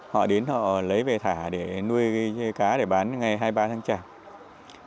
họ đến họ lấy về thả để nuôi cái cá để bán ngày hai ba tháng tràng